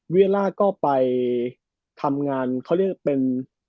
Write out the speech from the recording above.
ล่าก็ไปทำงานเขาเรียกเป็น